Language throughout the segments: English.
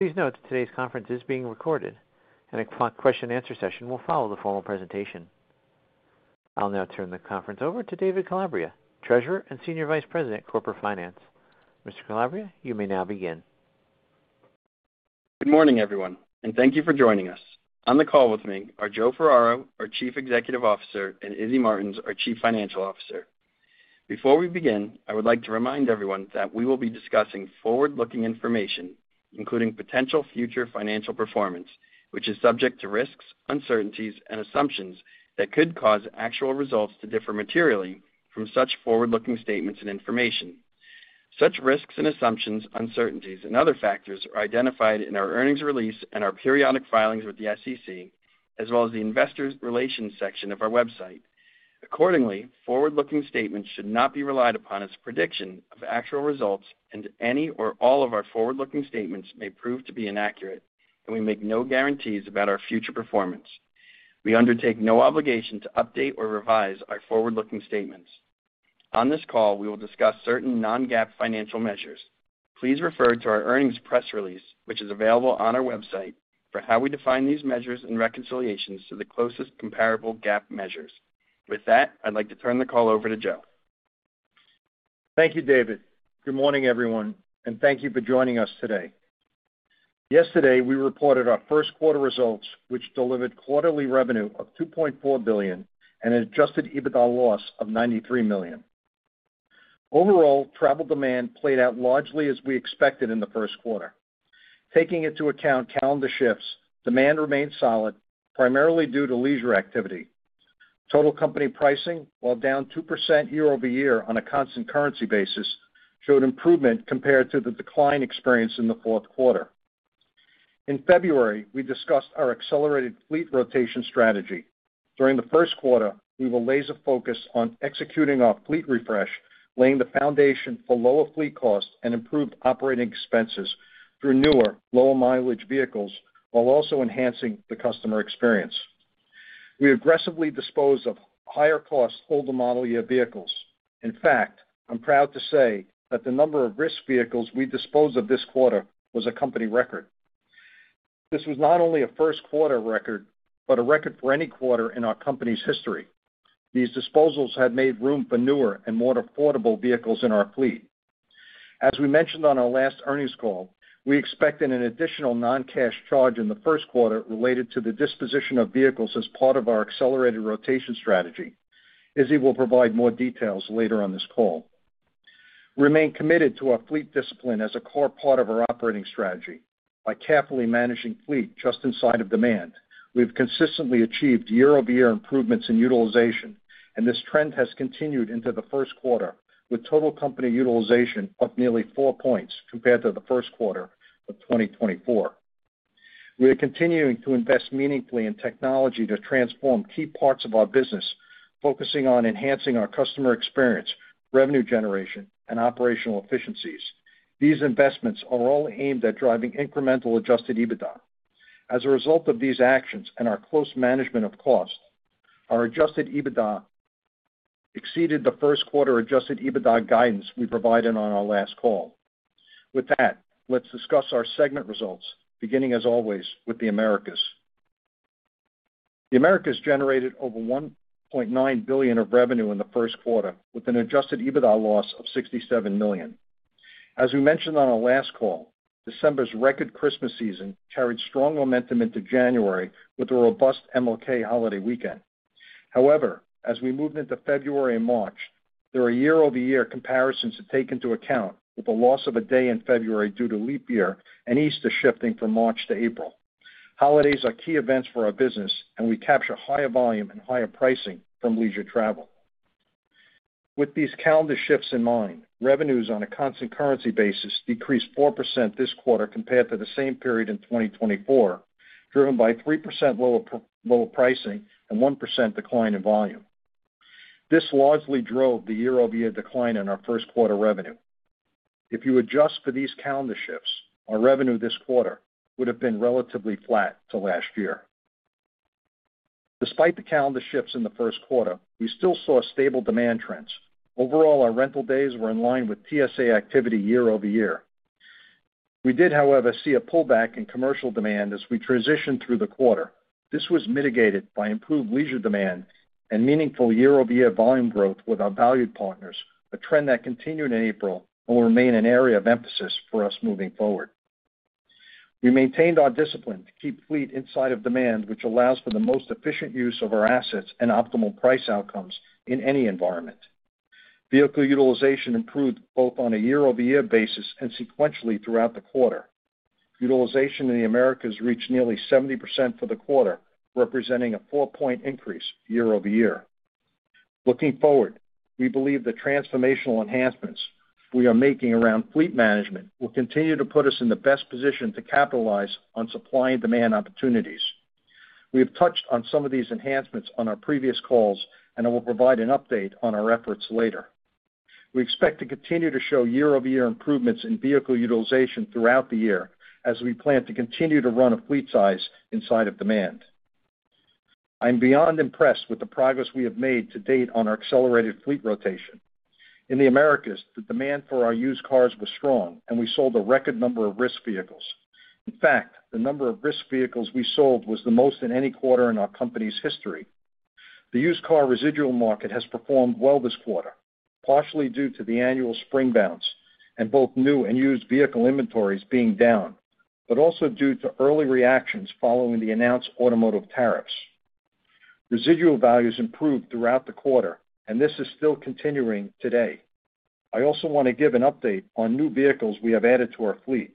Please note that today's conference is being recorded, and a question-and-answer session will follow the formal presentation. I'll now turn the conference over to David Calabria, Treasurer and Senior Vice President, Corporate Finance. Mr. Calabria, you may now begin. Good morning, everyone, and thank you for joining us. On the call with me are Joe Ferraro, our Chief Executive Officer, and Izi Martins, our Chief Financial Officer. Before we begin, I would like to remind everyone that we will be discussing forward-looking information, including potential future financial performance, which is subject to risks, uncertainties, and assumptions that could cause actual results to differ materially from such forward-looking statements and information. Such risks and assumptions, uncertainties, and other factors are identified in our earnings release and our periodic filings with the SEC, as well as the investor relations section of our website. Accordingly, forward-looking statements should not be relied upon as a prediction of actual results, and any or all of our forward-looking statements may prove to be inaccurate, and we make no guarantees about our future performance. We undertake no obligation to update or revise our forward-looking statements. On this call, we will discuss certain non-GAAP financial measures. Please refer to our earnings press release, which is available on our website, for how we define these measures and reconciliations to the closest comparable GAAP measures. With that, I'd like to turn the call over to Joe. Thank you, David. Good morning, everyone, and thank you for joining us today. Yesterday, we reported our first quarter results, which delivered quarterly revenue of $2.4 billion and an adjusted EBITDA loss of $93 million. Overall, travel demand played out largely as we expected in the first quarter. Taking into account calendar shifts, demand remained solid, primarily due to leisure activity. Total company pricing, while down 2% year-over-year on a constant currency basis, showed improvement compared to the decline experienced in the fourth quarter. In February, we discussed our accelerated fleet rotation strategy. During the first quarter, we will laser-focus on executing our fleet refresh, laying the foundation for lower fleet costs and improved operating expenses through newer, lower-mileage vehicles, while also enhancing the customer experience. We aggressively dispose of higher-cost hold-to-model year vehicles. In fact, I'm proud to say that the number of risk vehicles we disposed of this quarter was a company record. This was not only a first-quarter record but a record for any quarter in our company's history. These disposals have made room for newer and more affordable vehicles in our fleet. As we mentioned on our last earnings call, we expect an additional non-cash charge in the first quarter related to the disposition of vehicles as part of our accelerated rotation strategy. Izi will provide more details later on this call. We remain committed to our fleet discipline as a core part of our operating strategy. By carefully managing fleet just in sight of demand, we have consistently achieved year-over-year improvements in utilization, and this trend has continued into the first quarter, with total company utilization up nearly four points compared to the first quarter of 2024. We are continuing to invest meaningfully in technology to transform key parts of our business, focusing on enhancing our customer experience, revenue generation, and operational efficiencies. These investments are all aimed at driving incremental adjusted EBITDA. As a result of these actions and our close management of cost, our adjusted EBITDA exceeded the first-quarter adjusted EBITDA guidance we provided on our last call. With that, let's discuss our segment results, beginning, as always, with the Americas. The Americas generated over $1.9 billion of revenue in the first quarter, with an adjusted EBITDA loss of $67 million. As we mentioned on our last call, December's record Christmas season carried strong momentum into January with a robust MLK holiday weekend. However, as we moved into February and March, there are year-over-year comparisons to take into account, with a loss of a day in February due to leap year and Easter shifting from March to April. Holidays are key events for our business, and we capture higher volume and higher pricing from leisure travel. With these calendar shifts in mind, revenues on a constant currency basis decreased 4% this quarter compared to the same period in 2024, driven by 3% lower pricing and 1% decline in volume. This largely drove the year-over-year decline in our first-quarter revenue. If you adjust for these calendar shifts, our revenue this quarter would have been relatively flat to last year. Despite the calendar shifts in the first quarter, we still saw stable demand trends. Overall, our rental days were in line with TSA activity year-over-year. We did, however, see a pullback in commercial demand as we transitioned through the quarter. This was mitigated by improved leisure demand and meaningful year-over-year volume growth with our valued partners, a trend that continued in April and will remain an area of emphasis for us moving forward. We maintained our discipline to keep fleet inside of demand, which allows for the most efficient use of our assets and optimal price outcomes in any environment. Vehicle utilization improved both on a year-over-year basis and sequentially throughout the quarter. Utilization in the Americas reached nearly 70% for the quarter, representing a four-point increase year-over-year. Looking forward, we believe the transformational enhancements we are making around fleet management will continue to put us in the best position to capitalize on supply and demand opportunities. We have touched on some of these enhancements on our previous calls, and I will provide an update on our efforts later. We expect to continue to show year-over-year improvements in vehicle utilization throughout the year as we plan to continue to run a fleet size inside of demand. I'm beyond impressed with the progress we have made to date on our accelerated fleet rotation. In the Americas, the demand for our used cars was strong, and we sold a record number of risk vehicles. In fact, the number of risk vehicles we sold was the most in any quarter in our company's history. The used car residual market has performed well this quarter, partially due to the annual spring bounce and both new and used vehicle inventories being down, but also due to early reactions following the announced automotive tariffs. Residual values improved throughout the quarter, and this is still continuing today. I also want to give an update on new vehicles we have added to our fleet.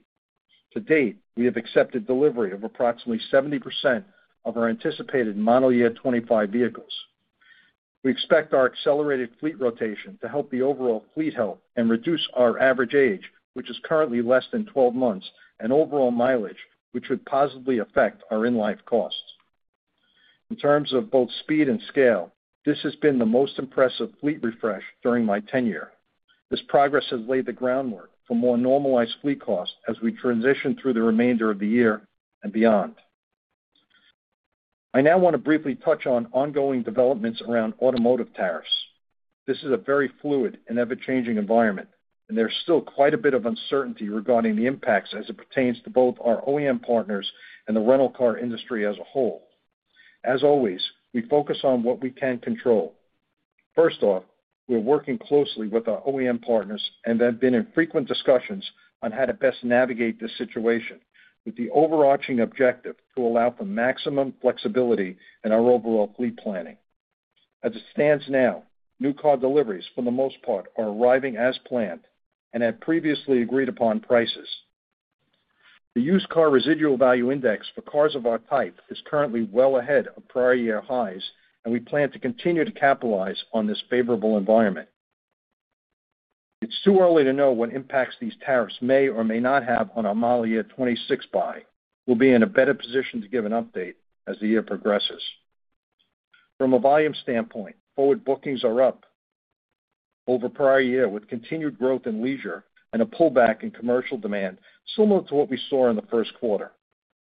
To date, we have accepted delivery of approximately 70% of our anticipated model year 2025 vehicles. We expect our accelerated fleet rotation to help the overall fleet health and reduce our average age, which is currently less than 12 months, and overall mileage, which would positively affect our in-life costs. In terms of both speed and scale, this has been the most impressive fleet refresh during my tenure. This progress has laid the groundwork for more normalized fleet costs as we transition through the remainder of the year and beyond. I now want to briefly touch on ongoing developments around automotive tariffs. This is a very fluid and ever-changing environment, and there's still quite a bit of uncertainty regarding the impacts as it pertains to both our OEM partners and the rental car industry as a whole. As always, we focus on what we can control. First off, we're working closely with our OEM partners and have been in frequent discussions on how to best navigate this situation, with the overarching objective to allow for maximum flexibility in our overall fleet planning. As it stands now, new car deliveries, for the most part, are arriving as planned and at previously agreed-upon prices. The used car residual value index for cars of our type is currently well ahead of prior year highs, and we plan to continue to capitalize on this favorable environment. It's too early to know what impacts these tariffs may or may not have on our model year 2026 buy. We'll be in a better position to give an update as the year progresses. From a volume standpoint, forward bookings are up over prior year, with continued growth in leisure and a pullback in commercial demand, similar to what we saw in the first quarter.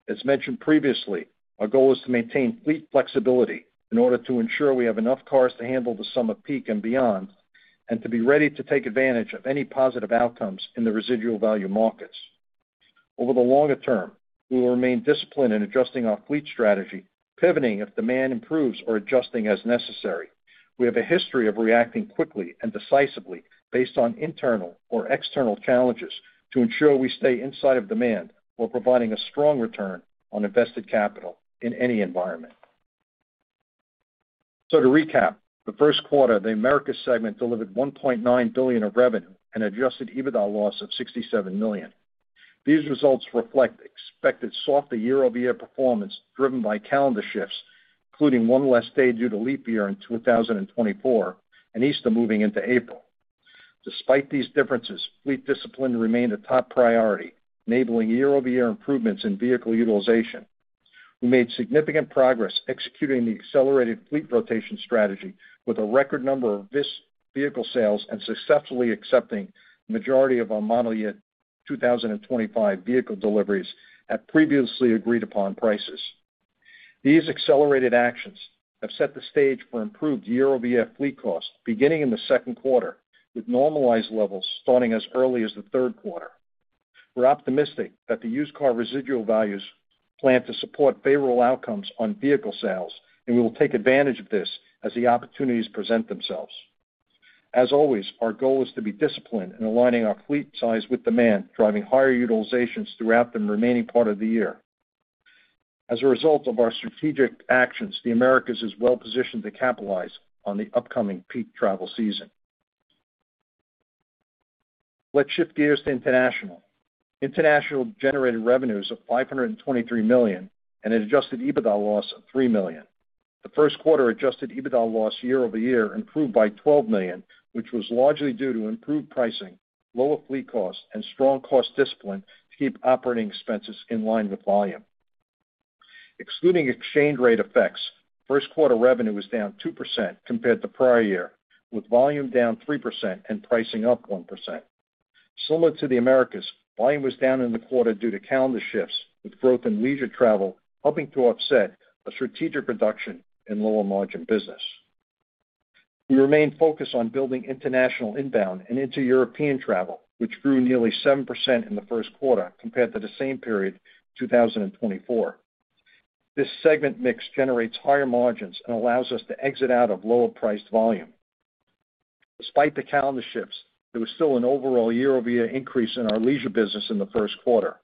As mentioned previously, our goal is to maintain fleet flexibility in order to ensure we have enough cars to handle the summer peak and beyond, and to be ready to take advantage of any positive outcomes in the residual value markets. Over the longer term, we will remain disciplined in adjusting our fleet strategy, pivoting if demand improves or adjusting as necessary. We have a history of reacting quickly and decisively based on internal or external challenges to ensure we stay inside of demand while providing a strong return on invested capital in any environment. To recap, the first quarter, the Americas segment delivered $1.9 billion of revenue and adjusted EBITDA loss of $67 million. These results reflect expected softer year-over-year performance driven by calendar shifts, including one less day due to leap year in 2024 and Easter moving into April. Despite these differences, fleet discipline remained a top priority, enabling year-over-year improvements in vehicle utilization. We made significant progress executing the accelerated fleet rotation strategy with a record number of vehicle sales and successfully accepting the majority of our model year 2025 vehicle deliveries at previously agreed-upon prices. These accelerated actions have set the stage for improved year-over-year fleet costs, beginning in the second quarter, with normalized levels starting as early as the third quarter. We're optimistic that the used car residual values plan to support favorable outcomes on vehicle sales, and we will take advantage of this as the opportunities present themselves. As always, our goal is to be disciplined in aligning our fleet size with demand, driving higher utilizations throughout the remaining part of the year. As a result of our strategic actions, the Americas is well-positioned to capitalize on the upcoming peak travel season. Let's shift gears to international. International generated revenues of $523 million and an adjusted EBITDA loss of $3 million. The first quarter adjusted EBITDA loss year-over-year improved by $12 million, which was largely due to improved pricing, lower fleet costs, and strong cost discipline to keep operating expenses in line with volume. Excluding exchange rate effects, first-quarter revenue was down 2% compared to prior year, with volume down 3% and pricing up 1%. Similar to the Americas, volume was down in the quarter due to calendar shifts, with growth in leisure travel helping to offset a strategic reduction in lower margin business. We remain focused on building international inbound and inter-European travel, which grew nearly 7% in the first quarter compared to the same period, 2024. This segment mix generates higher margins and allows us to exit out of lower-priced volume. Despite the calendar shifts, there was still an overall year-over-year increase in our leisure business in the first quarter.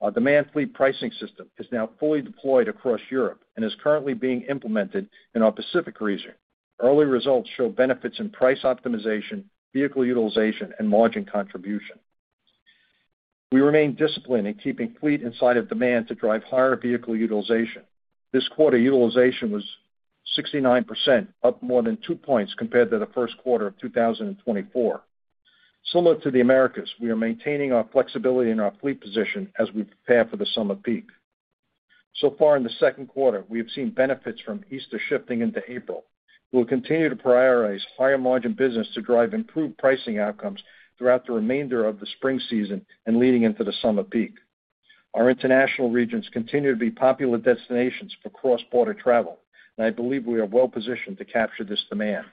Our demand fleet pricing system is now fully deployed across Europe and is currently being implemented in our Pacific region. Early results show benefits in price optimization, vehicle utilization, and margin contribution. We remain disciplined in keeping fleet inside of demand to drive higher vehicle utilization. This quarter, utilization was 69%, up more than two points compared to the first quarter of 2024. Similar to the Americas, we are maintaining our flexibility in our fleet position as we prepare for the summer peak. So far, in the second quarter, we have seen benefits from Easter shifting into April. We will continue to prioritize higher margin business to drive improved pricing outcomes throughout the remainder of the spring season and leading into the summer peak. Our international regions continue to be popular destinations for cross-border travel, and I believe we are well-positioned to capture this demand.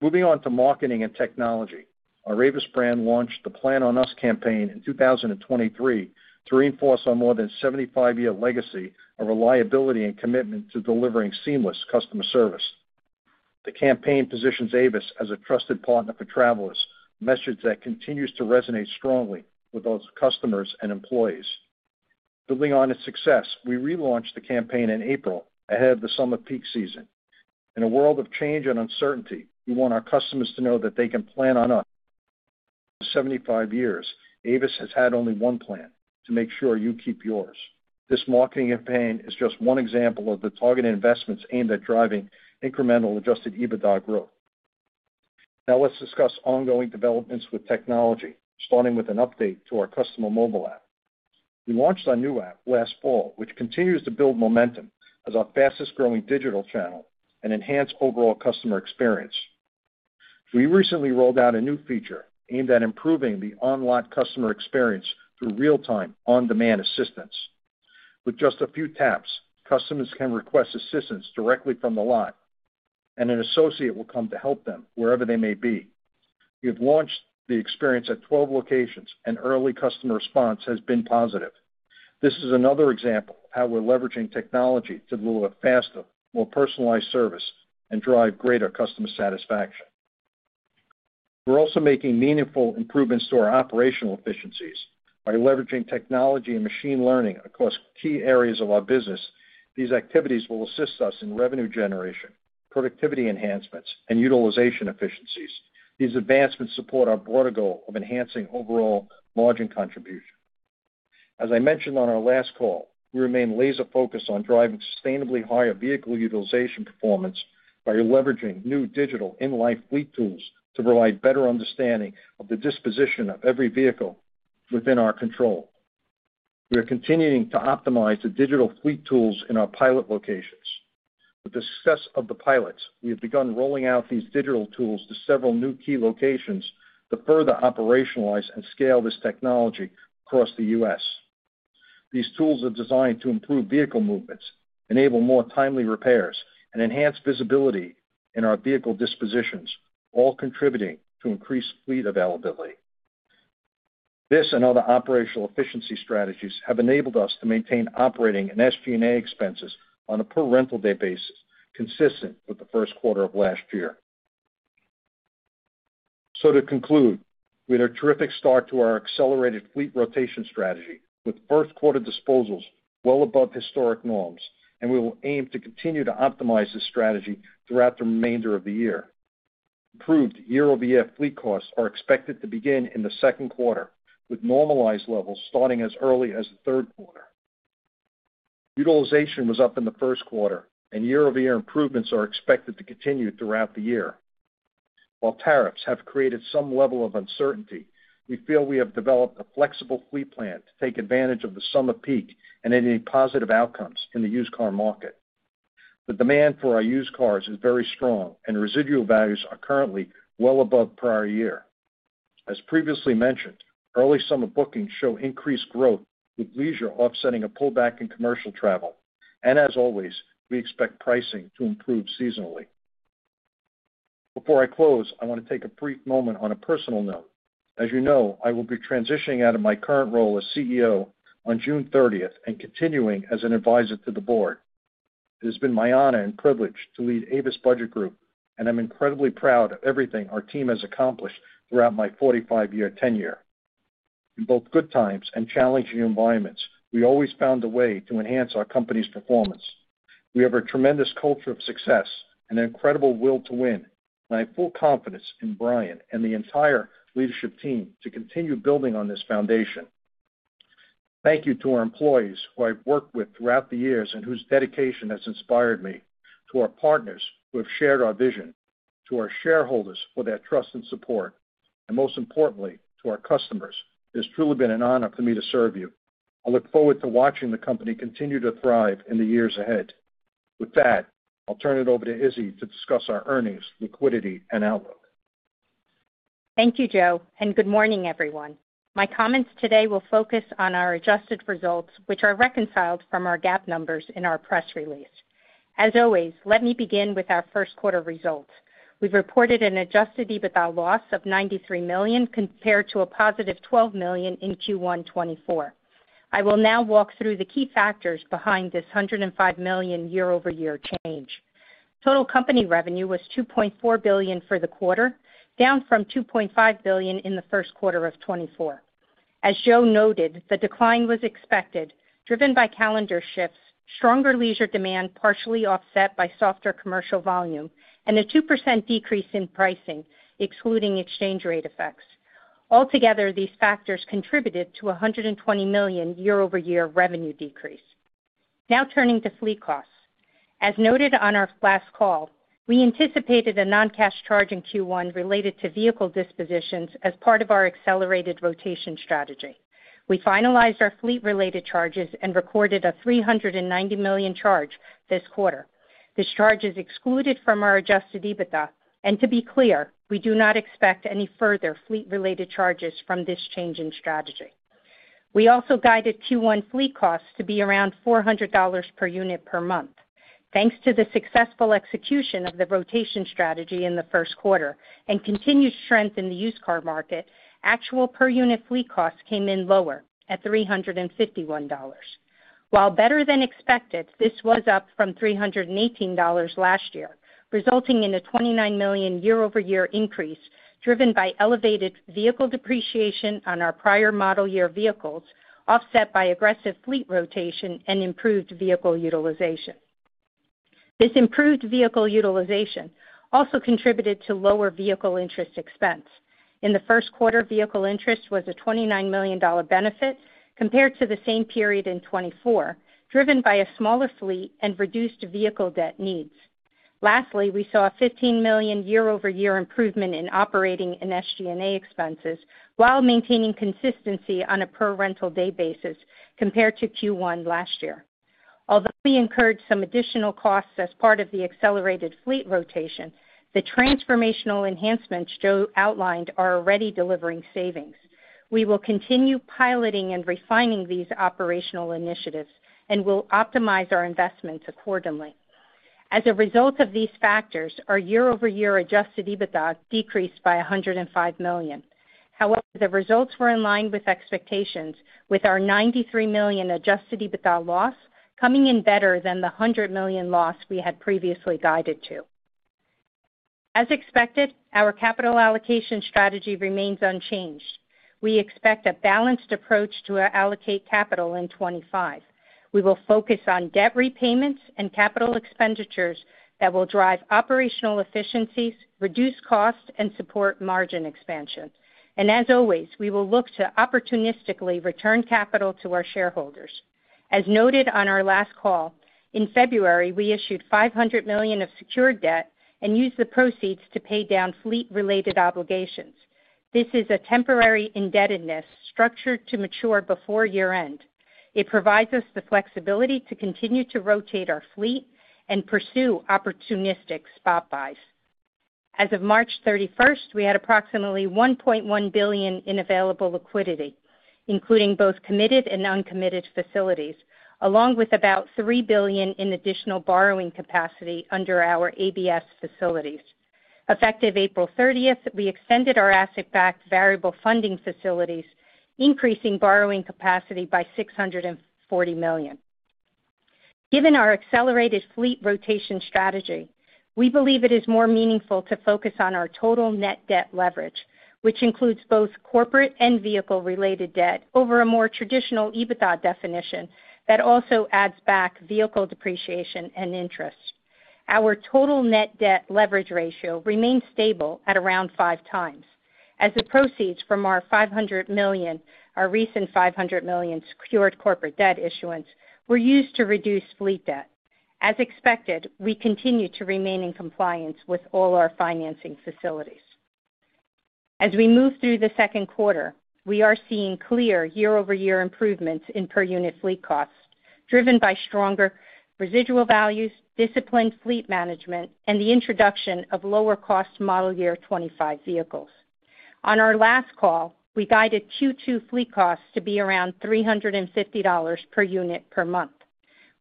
Moving on to marketing and technology, our Avis brand launched the Plan On Us campaign in 2023 to reinforce our more than 75-year legacy of reliability and commitment to delivering seamless customer service. The campaign positions Avis as a trusted partner for travelers, a message that continues to resonate strongly with those customers and employees. Building on its success, we relaunched the campaign in April ahead of the summer peak season. In a world of change and uncertainty, we want our customers to know that they can plan on us. In 75 years, Avis has had only one plan: to make sure you keep yours. This marketing campaign is just one example of the targeted investments aimed at driving incremental adjusted EBITDA growth. Now, let's discuss ongoing developments with technology, starting with an update to our customer mobile app. We launched our new app last fall, which continues to build momentum as our fastest-growing digital channel and enhance overall customer experience. We recently rolled out a new feature aimed at improving the online customer experience through real-time on-demand assistance. With just a few taps, customers can request assistance directly from the line, and an associate will come to help them wherever they may be. We have launched the experience at 12 locations, and early customer response has been positive. This is another example of how we're leveraging technology to deliver faster, more personalized service, and drive greater customer satisfaction. We're also making meaningful improvements to our operational efficiencies by leveraging technology and machine learning across key areas of our business. These activities will assist us in revenue generation, productivity enhancements, and utilization efficiencies. These advancements support our broader goal of enhancing overall margin contribution. As I mentioned on our last call, we remain laser-focused on driving sustainably higher vehicle utilization performance by leveraging new digital in-life fleet tools to provide better understanding of the disposition of every vehicle within our control. We are continuing to optimize the digital fleet tools in our pilot locations. With the success of the pilots, we have begun rolling out these digital tools to several new key locations to further operationalize and scale this technology across the US. These tools are designed to improve vehicle movements, enable more timely repairs, and enhance visibility in our vehicle dispositions, all contributing to increased fleet availability. This and other operational efficiency strategies have enabled us to maintain operating and SG&A expenses on a per rental day basis, consistent with the first quarter of last year. To conclude, we had a terrific start to our accelerated fleet rotation strategy with first-quarter disposals well above historic norms, and we will aim to continue to optimize this strategy throughout the remainder of the year. Improved year-over-year fleet costs are expected to begin in the second quarter, with normalized levels starting as early as the third quarter. Utilization was up in the first quarter, and year-over-year improvements are expected to continue throughout the year. While tariffs have created some level of uncertainty, we feel we have developed a flexible fleet plan to take advantage of the summer peak and any positive outcomes in the used car market. The demand for our used cars is very strong, and residual values are currently well above prior year. As previously mentioned, early summer bookings show increased growth, with leisure offsetting a pullback in commercial travel. As always, we expect pricing to improve seasonally. Before I close, I want to take a brief moment on a personal note. As you know, I will be transitioning out of my current role as CEO on June 30, 2024 and continuing as an advisor to the board. It has been my honor and privilege to lead Avis Budget Group, and I'm incredibly proud of everything our team has accomplished throughout my 45-year tenure. In both good times and challenging environments, we always found a way to enhance our company's performance. We have a tremendous culture of success and an incredible will to win, and I have full confidence in Brian and the entire leadership team to continue building on this foundation. Thank you to our employees who I've worked with throughout the years and whose dedication has inspired me, to our partners who have shared our vision, to our shareholders for their trust and support, and most importantly, to our customers. It has truly been an honor for me to serve you. I look forward to watching the company continue to thrive in the years ahead. With that, I'll turn it over to Izi to discuss our earnings, liquidity, and outlook. Thank you, Joe, and good morning, everyone. My comments today will focus on our adjusted results, which are reconciled from our GAAP numbers in our press release. As always, let me begin with our first-quarter results. We've reported an adjusted EBITDA loss of $93 million compared to a positive $12 million in Q1 2024. I will now walk through the key factors behind this $105 million year-over-year change. Total company revenue was $2.4 billion for the quarter, down from $2.5 billion in the first quarter of 2024. As Joe noted, the decline was expected, driven by calendar shifts, stronger leisure demand partially offset by softer commercial volume, and a 2% decrease in pricing, excluding exchange rate effects. Altogether, these factors contributed to a $120 million year-over-year revenue decrease. Now turning to fleet costs. As noted on our last call, we anticipated a non-cash charge in Q1 related to vehicle dispositions as part of our accelerated rotation strategy. We finalized our fleet-related charges and recorded a $390 million charge this quarter. This charge is excluded from our adjusted EBITDA, and to be clear, we do not expect any further fleet-related charges from this change in strategy. We also guided Q1 fleet costs to be around $400 per unit per month. Thanks to the successful execution of the rotation strategy in the first quarter and continued strength in the used car market, actual per-unit fleet costs came in lower at $351. While better than expected, this was up from $318 last year, resulting in a $29 million year-over-year increase driven by elevated vehicle depreciation on our prior model year vehicles, offset by aggressive fleet rotation and improved vehicle utilization. This improved vehicle utilization also contributed to lower vehicle interest expense. In the first quarter, vehicle interest was a $29 million benefit compared to the same period in 2024, driven by a smaller fleet and reduced vehicle debt needs. Lastly, we saw a $15 million year-over-year improvement in operating and SG&A expenses while maintaining consistency on a per rental day basis compared to Q1 last year. Although we incurred some additional costs as part of the accelerated fleet rotation, the transformational enhancements Joe outlined are already delivering savings. We will continue piloting and refining these operational initiatives and will optimize our investments accordingly. As a result of these factors, our year-over-year adjusted EBITDA decreased by $105 million. However, the results were in line with expectations, with our $93 million adjusted EBITDA loss coming in better than the $100 million loss we had previously guided to. As expected, our capital allocation strategy remains unchanged. We expect a balanced approach to allocate capital in 2025. We will focus on debt repayments and capital expenditures that will drive operational efficiencies, reduce costs, and support margin expansion. As always, we will look to opportunistically return capital to our shareholders. As noted on our last call, in February, we issued $500 million of secured debt and used the proceeds to pay down fleet-related obligations. This is a temporary indebtedness structured to mature before year-end. It provides us the flexibility to continue to rotate our fleet and pursue opportunistic spot buys. As of March 31, we had approximately $1.1 billion in available liquidity, including both committed and uncommitted facilities, along with about $3 billion in additional borrowing capacity under our ABS facilities. Effective April 30, we extended our asset-backed variable funding facilities, increasing borrowing capacity by $640 million. Given our accelerated fleet rotation strategy, we believe it is more meaningful to focus on our total net debt leverage, which includes both corporate and vehicle-related debt over a more traditional EBITDA definition that also adds back vehicle depreciation and interest. Our total net debt leverage ratio remains stable at around five times. As the proceeds from our $500 million, our recent $500 million secured corporate debt issuance, were used to reduce fleet debt. As expected, we continue to remain in compliance with all our financing facilities. As we move through the second quarter, we are seeing clear year-over-year improvements in per-unit fleet costs, driven by stronger residual values, disciplined fleet management, and the introduction of lower-cost model year 2025 vehicles. On our last call, we guided Q2 fleet costs to be around $350 per unit per month.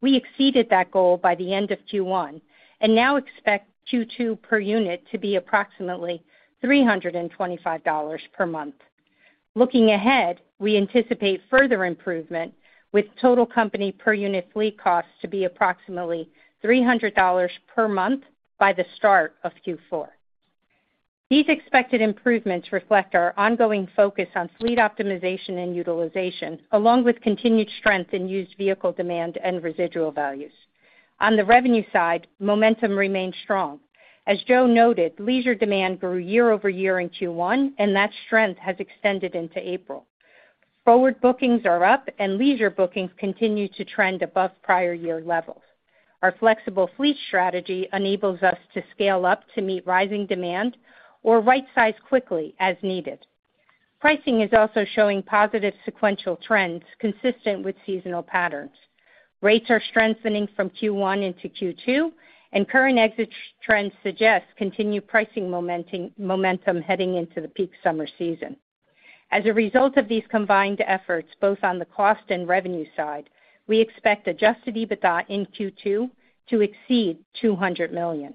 We exceeded that goal by the end of Q1 and now expect Q2 per unit to be approximately $325 per month. Looking ahead, we anticipate further improvement, with total company per-unit fleet costs to be approximately $300 per month by the start of Q4. These expected improvements reflect our ongoing focus on fleet optimization and utilization, along with continued strength in used vehicle demand and residual values. On the revenue side, momentum remains strong. As Joe noted, leisure demand grew year-over-year in Q1, and that strength has extended into April. Forward bookings are up, and leisure bookings continue to trend above prior year levels. Our flexible fleet strategy enables us to scale up to meet rising demand or right-size quickly as needed. Pricing is also showing positive sequential trends consistent with seasonal patterns. Rates are strengthening from Q1 into Q2, and current exit trends suggest continued pricing momentum heading into the peak summer season. As a result of these combined efforts, both on the cost and revenue side, we expect adjusted EBITDA in Q2 to exceed $200 million.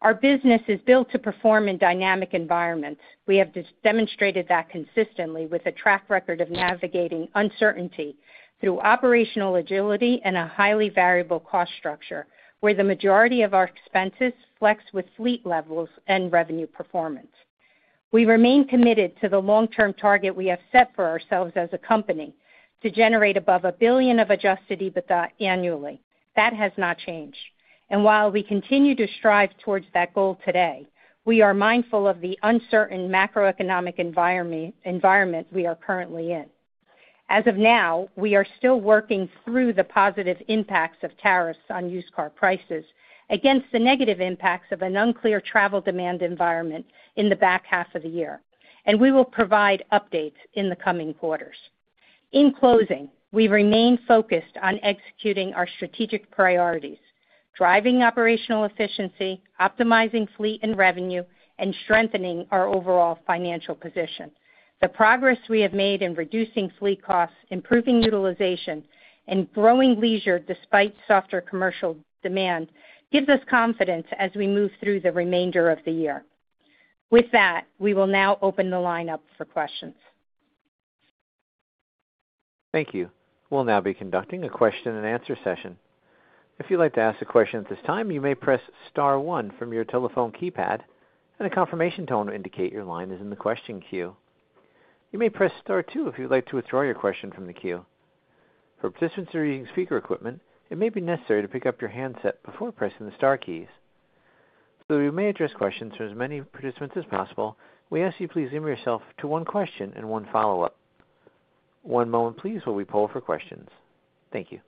Our business is built to perform in dynamic environments. We have demonstrated that consistently with a track record of navigating uncertainty through operational agility and a highly variable cost structure, where the majority of our expenses flex with fleet levels and revenue performance. We remain committed to the long-term target we have set for ourselves as a company to generate above $1 billion of adjusted EBITDA annually. That has not changed. While we continue to strive towards that goal today, we are mindful of the uncertain macroeconomic environment we are currently in. As of now, we are still working through the positive impacts of tariffs on used car prices against the negative impacts of an unclear travel demand environment in the back half of the year, and we will provide updates in the coming quarters. In closing, we remain focused on executing our strategic priorities: driving operational efficiency, optimizing fleet and revenue, and strengthening our overall financial position. The progress we have made in reducing fleet costs, improving utilization, and growing leisure despite softer commercial demand gives us confidence as we move through the remainder of the year. With that, we will now open the line up for questions. Thank you. We'll now be conducting a question-and-answer session. If you'd like to ask a question at this time, you may press Star 1 from your telephone keypad, and a confirmation tone will indicate your line is in the question queue. You may press Star 2 if you'd like to withdraw your question from the queue. For participants who are using speaker equipment, it may be necessary to pick up your handset before pressing the Star keys. Though we may address questions from as many participants as possible, we ask that you please limit yourself to one question and one follow-up. One moment, please, while we pull for questions. Thank you.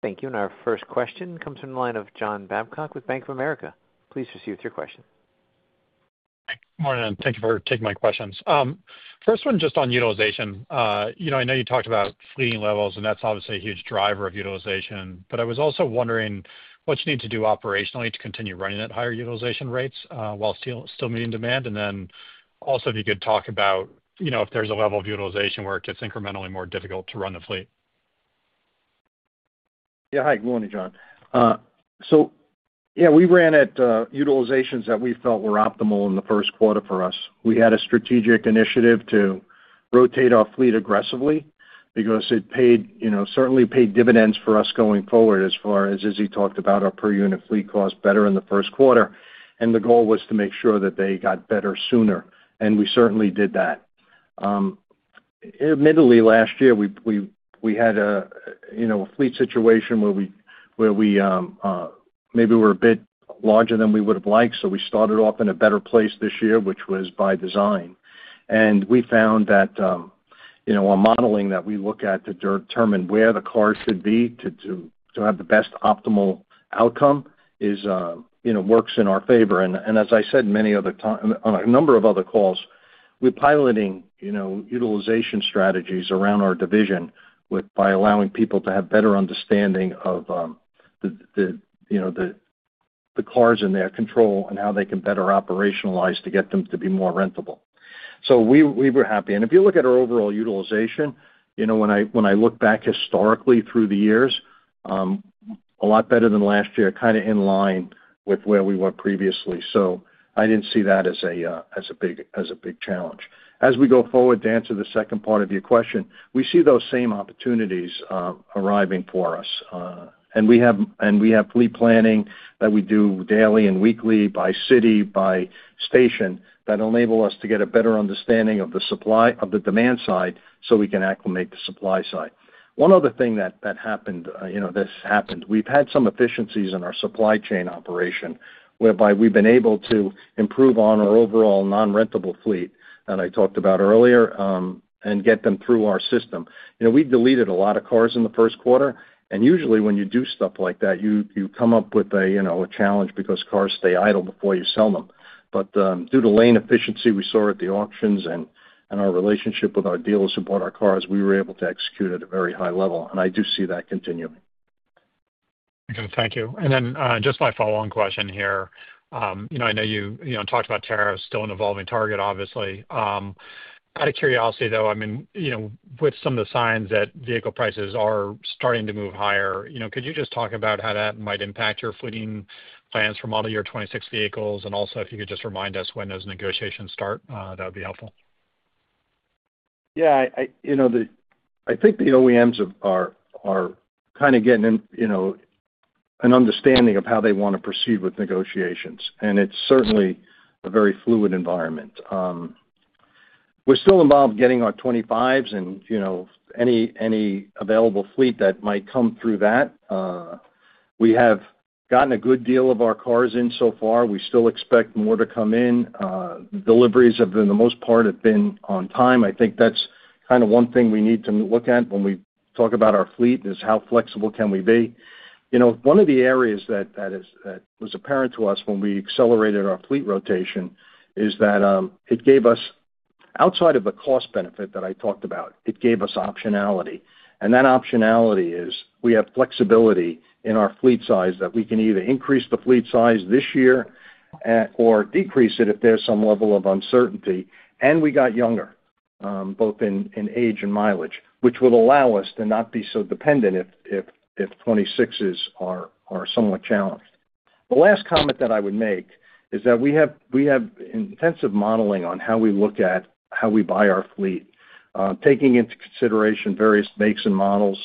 Thank you. Our first question comes from the line of John Babcock with Bank of America. Please proceed with your question. Hi. Good morning, and thank you for taking my questions. First one, just on utilization. I know you talked about fleeting levels, and that's obviously a huge driver of utilization, but I was also wondering what you need to do operationally to continue running at higher utilization rates while still meeting demand, and then also if you could talk about if there's a level of utilization where it gets incrementally more difficult to run the fleet. Yeah. Hi. Good morning, John. Yeah, we ran at utilizations that we felt were optimal in the first quarter for us. We had a strategic initiative to rotate our fleet aggressively because it certainly paid dividends for us going forward as far as Izi talked about, our per-unit fleet costs better in the first quarter, and the goal was to make sure that they got better sooner, and we certainly did that. Admittedly, last year, we had a fleet situation where we maybe were a bit larger than we would have liked, so we started off in a better place this year, which was by design. We found that our modeling that we look at to determine where the cars should be to have the best optimal outcome works in our favor. As I said on a number of other calls, we're piloting utilization strategies around our division by allowing people to have better understanding of the cars and their control and how they can better operationalize to get them to be more rentable. We were happy. If you look at our overall utilization, when I look back historically through the years, a lot better than last year, kind of in line with where we were previously. I did not see that as a big challenge. As we go forward to answer the second part of your question, we see those same opportunities arriving for us. We have fleet planning that we do daily and weekly by city, by station that enables us to get a better understanding of the supply of the demand side so we can acclimate the supply side. One other thing that happened, we've had some efficiencies in our supply chain operation whereby we've been able to improve on our overall non-rentable fleet that I talked about earlier and get them through our system. We deleted a lot of cars in the first quarter, and usually when you do stuff like that, you come up with a challenge because cars stay idle before you sell them. Due to lane efficiency we saw at the auctions and our relationship with our dealers who bought our cars, we were able to execute at a very high level, and I do see that continuing. Thank you. Just my follow-on question here. I know you talked about tariffs still an evolving target, obviously. Out of curiosity, though, I mean, with some of the signs that vehicle prices are starting to move higher, could you just talk about how that might impact your fleeting plans for model year 2026 vehicles? Also, if you could just remind us when those negotiations start, that would be helpful. Yeah. I think the OEMs are kind of getting an understanding of how they want to proceed with negotiations, and it is certainly a very fluid environment. We are still involved getting our 2025s and any available fleet that might come through that. We have gotten a good deal of our cars in so far. We still expect more to come in. Deliveries, for the most part, have been on time. I think that's kind of one thing we need to look at when we talk about our fleet is how flexible can we be. One of the areas that was apparent to us when we accelerated our fleet rotation is that it gave us, outside of the cost benefit that I talked about, it gave us optionality. That optionality is we have flexibility in our fleet size that we can either increase the fleet size this year or decrease it if there's some level of uncertainty. We got younger, both in age and mileage, which will allow us to not be so dependent if '26s are somewhat challenged. The last comment that I would make is that we have intensive modeling on how we look at how we buy our fleet, taking into consideration various makes and models.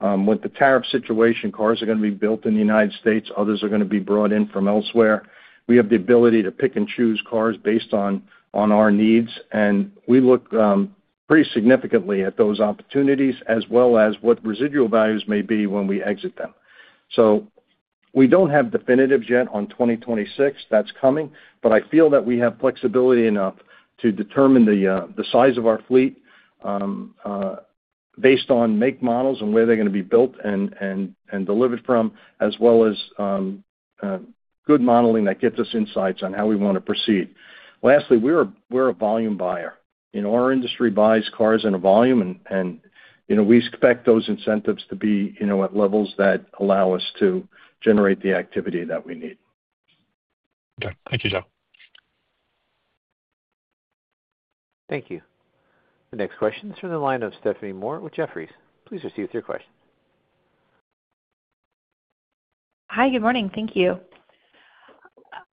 With the tariff situation, cars are going to be built in the United States. Others are going to be brought in from elsewhere. We have the ability to pick and choose cars based on our needs, and we look pretty significantly at those opportunities as well as what residual values may be when we exit them. We do not have definitives yet on 2026. That is coming. I feel that we have flexibility enough to determine the size of our fleet based on make models and where they are going to be built and delivered from, as well as good modeling that gets us insights on how we want to proceed. Lastly, we are a volume buyer. Our industry buys cars in a volume, and we expect those incentives to be at levels that allow us to generate the activity that we need. Okay. Thank you, Joe. Thank you. The next question is from the line of Stephanie Moore with Jefferies. Please proceed with your question. Hi. Good morning. Thank you.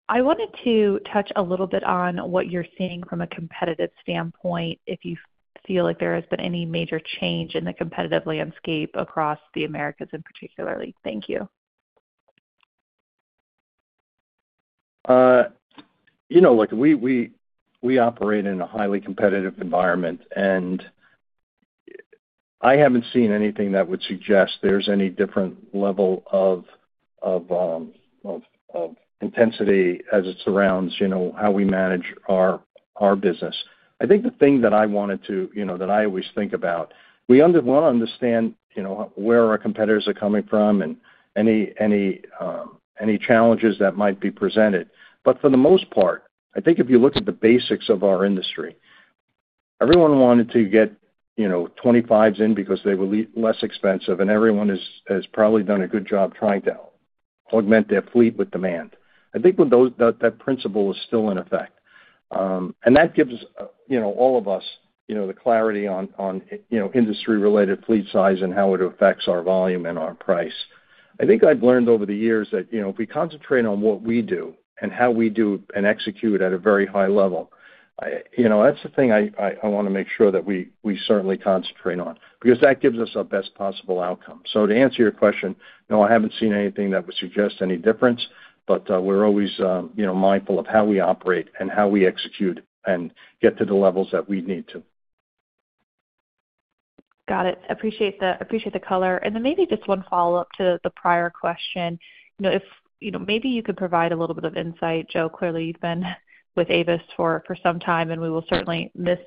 I wanted to touch a little bit on what you're seeing from a competitive standpoint if you feel like there has been any major change in the competitive landscape across the Americas in particular. Thank you. Look, we operate in a highly competitive environment, and I haven't seen anything that would suggest there's any different level of intensity as it surrounds how we manage our business. I think the thing that I wanted to that I always think about, we want to understand where our competitors are coming from and any challenges that might be presented. For the most part, I think if you look at the basics of our industry, everyone wanted to get '25s in because they were less expensive, and everyone has probably done a good job trying to augment their fleet with demand. I think that principle is still in effect. That gives all of us the clarity on industry-related fleet size and how it affects our volume and our price. I think I've learned over the years that if we concentrate on what we do and how we do and execute at a very high level, that's the thing I want to make sure that we certainly concentrate on because that gives us our best possible outcome. To answer your question, no, I haven't seen anything that would suggest any difference, but we're always mindful of how we operate and how we execute and get to the levels that we need to. Got it. Appreciate the color. Maybe just one follow-up to the prior question. If maybe you could provide a little bit of insight. Joe, clearly, you've been with Avis for some time, and we will certainly miss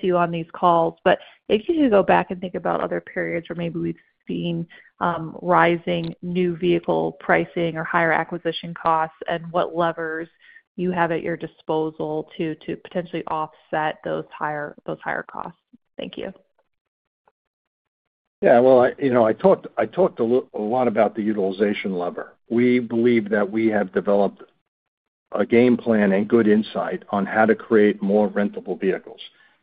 you on these calls. If you could go back and think about other periods where maybe we've seen rising new vehicle pricing or higher acquisition costs and what levers you have at your disposal to potentially offset those higher costs. Thank you. Yeah. I talked a lot about the utilization lever. We believe that we have developed a game plan and good insight on how to create more rentable vehicles.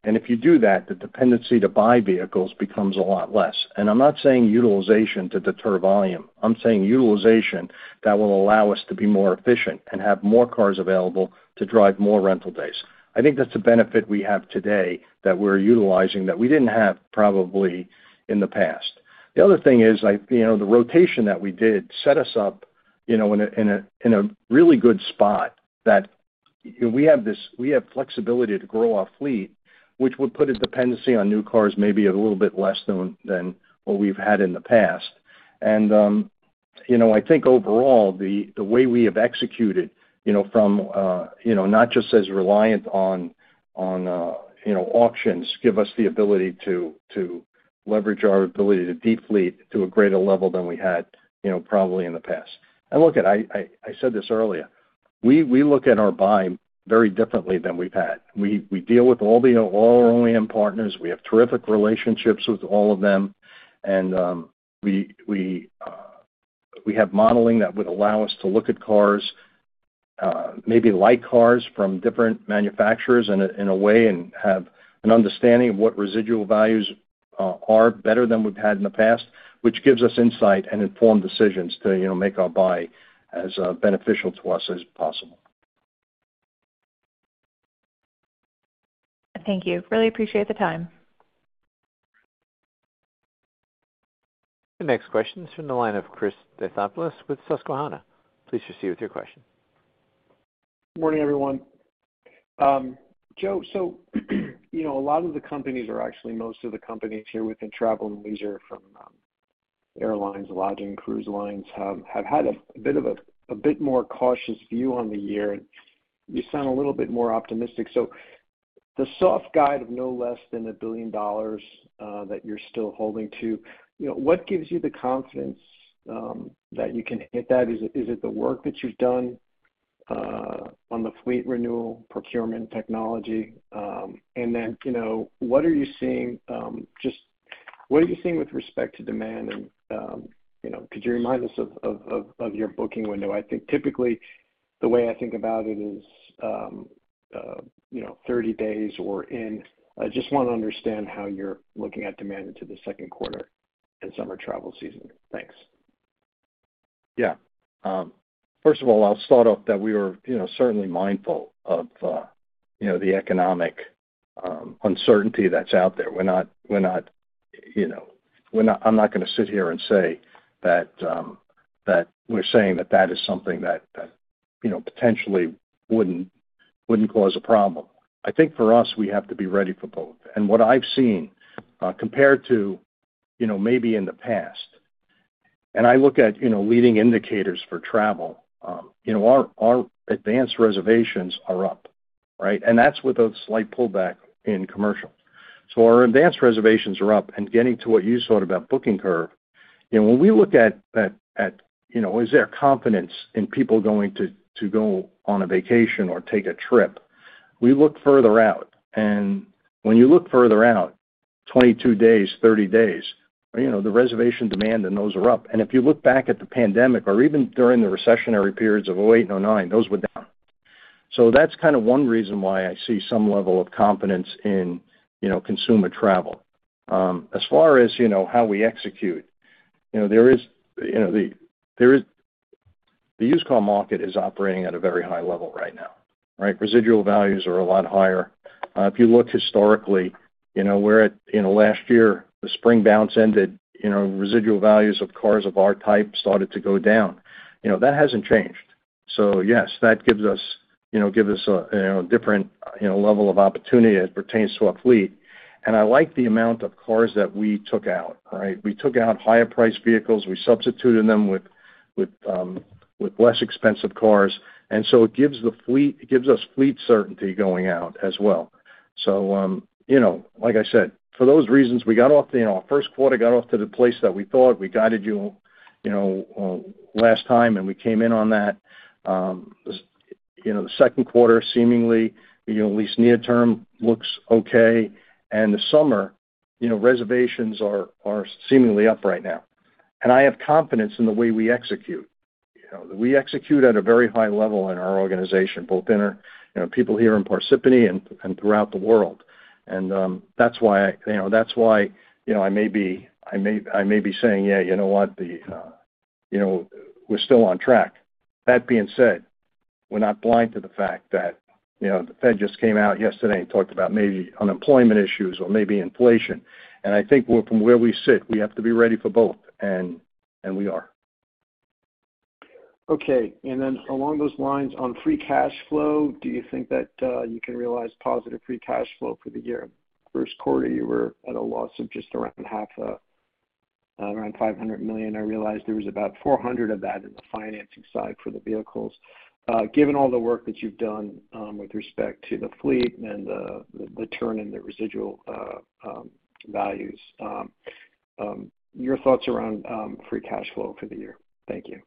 If you do that, the dependency to buy vehicles becomes a lot less. I'm not saying utilization to deter volume. I'm saying utilization that will allow us to be more efficient and have more cars available to drive more rental days. I think that's a benefit we have today that we're utilizing that we didn't have probably in the past. The other thing is the rotation that we did set us up in a really good spot that we have flexibility to grow our fleet, which would put a dependency on new cars maybe a little bit less than what we've had in the past. I think overall, the way we have executed from not just as reliant on auctions gives us the ability to leverage our ability to defleet to a greater level than we had probably in the past. I said this earlier. We look at our buy very differently than we've had. We deal with all our OEM partners. We have terrific relationships with all of them. We have modeling that would allow us to look at cars, maybe like cars from different manufacturers in a way, and have an understanding of what residual values are better than we've had in the past, which gives us insight and informed decisions to make our buy as beneficial to us as possible. Thank you. Really appreciate the time. The next question is from the line of Chris Stathoulopoulos with Susquehanna. Please proceed with your question. Good morning, everyone. Joe, so a lot of the companies or actually most of the companies here within travel and leisure from airlines, lodging, cruise lines have had a bit of a bit more cautious view on the year, and you sound a little bit more optimistic. The soft guide of no less than $1 billion that you're still holding to, what gives you the confidence that you can hit that? Is it the work that you've done on the fleet renewal procurement technology? What are you seeing? Just what are you seeing with respect to demand? Could you remind us of your booking window? I think typically the way I think about it is 30 days or in. I just want to understand how you're looking at demand into the second quarter and summer travel season. Thanks. Yeah. First of all, I'll start off that we were certainly mindful of the economic uncertainty that's out there. I'm not going to sit here and say that we're saying that that is something that potentially wouldn't cause a problem. I think for us, we have to be ready for both. What I've seen compared to maybe in the past, and I look at leading indicators for travel, our advanced reservations are up, right? That's with a slight pullback in commercial. Our advanced reservations are up. Getting to what you saw about booking curve, when we look at is there confidence in people going to go on a vacation or take a trip, we look further out. When you look further out, 22 days, 30 days, the reservation demand and those are up. If you look back at the pandemic or even during the recessionary periods of 2008 and 2009, those were down. That's kind of one reason why I see some level of confidence in consumer travel. As far as how we execute, the used car market is operating at a very high level right now, right? Residual values are a lot higher. If you look historically, where last year, the spring bounce ended, residual values of cars of our type started to go down. That has not changed. Yes, that gives us a different level of opportunity as it pertains to our fleet. I like the amount of cars that we took out, right? We took out higher-priced vehicles. We substituted them with less expensive cars. It gives us fleet certainty going out as well. Like I said, for those reasons, we got off the first quarter, got off to the place that we thought. We guided you last time, and we came in on that. The second quarter, seemingly, at least near term, looks okay. The summer, reservations are seemingly up right now. I have confidence in the way we execute. We execute at a very high level in our organization, both in our people here in Parsippany and throughout the world. That's why I may be saying, "Yeah, you know what? We're still on track." That being said, we're not blind to the fact that the Fed just came out yesterday and talked about maybe unemployment issues or maybe inflation. I think from where we sit, we have to be ready for both, and we are. Okay. Then along those lines, on free cash flow, do you think that you can realize positive free cash flow for the year? First quarter, you were at a loss of just around half, around $500 million. I realized there was about $400 million of that in the financing side for the vehicles. Given all the work that you've done with respect to the fleet and the turn and the residual values, your thoughts around free cash flow for the year? Thank you.